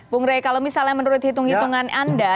bung rey kalau misalnya menurut hitung hitungan anda